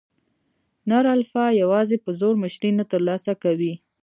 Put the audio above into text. نر الفا یواځې په زور مشري نه تر لاسه کوي.